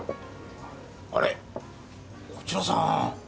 あれこちらさん。